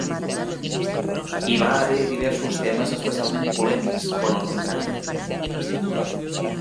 Hi va haver diversos temes especialment polèmics quant al contracte.